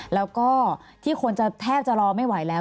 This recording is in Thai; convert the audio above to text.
แล้วก็ที่คนจะแทบจะรอไม่ไหวแล้ว